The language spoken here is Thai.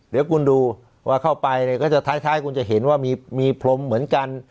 เดี๋ยวคุณดูว่าเข้าไปเนี่ยก็จะท้ายคุณจะเห็นว่ามีพรมเหมือนกัน